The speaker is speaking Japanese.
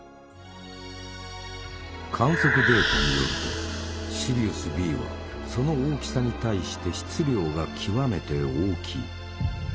観測データによるとシリウスＢはその大きさに対して質量が極めて大きい。